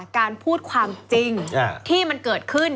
การพูดความจริงที่มันเกิดขึ้น